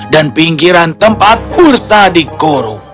dan pinggiran tempat ursa di koro